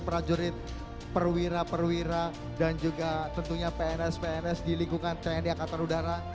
prajurit perwira perwira dan juga tentunya pns pns di lingkungan tni angkatan udara